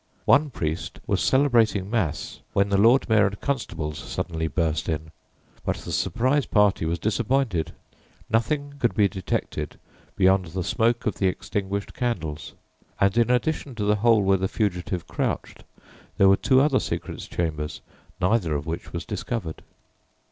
One priest was celebrating Mass when the Lord Mayor and constables suddenly burst in. But the surprise party was disappointed: nothing could be detected beyond the smoke of the extinguished candles; and in addition to the hole where the fugitive crouched there were two other secret chambers, neither of which was discovered.